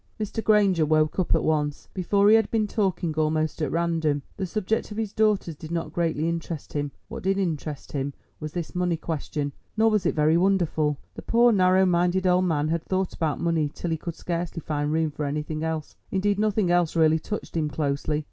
Mr. Granger woke up at once. Before he had been talking almost at random; the subject of his daughters did not greatly interest him. What did interest him was this money question. Nor was it very wonderful; the poor narrow minded old man had thought about money till he could scarcely find room for anything else, indeed nothing else really touched him closely.